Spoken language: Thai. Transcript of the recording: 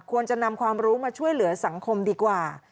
ควรจะนำความรู้มาช่วยเหลือสังคมดีกว่า